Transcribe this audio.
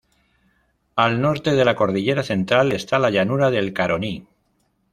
Al norte de la Cordillera Central esta la llanura del Caroní.